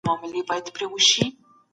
هيڅ پديده تصادفي نه ده.